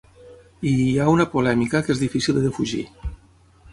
I hi ha una polèmica que és difícil de defugir.